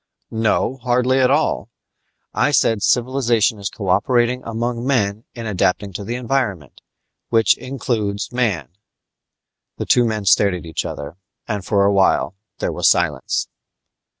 "No, hardly at all. I said civilization is cooperation among men in adapting to environment which includes man." The two men stared at each other, and for awhile there was silence.